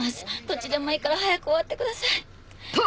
どっちでもいいから早く終わってください！と